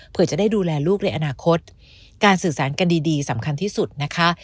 เพื่อจะได้ดูแลลูกในอนาคตการสื่อสารกันดีดีสำคัญที่สุดนะคะ